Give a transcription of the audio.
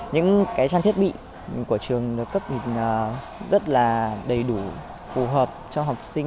những cái trang thiết bị của trường được cấp hình rất là đầy đủ phù hợp cho học sinh